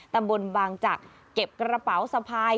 ตำบลบางจักรเก็บกระเป๋าสะพาย